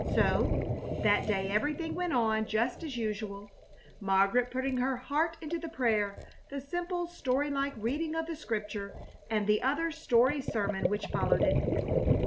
So, that day everything went on just as usual, Margaret putting her heart into the prayer, the simple, storylike reading of the Scripture, and the other story sermon which followed it.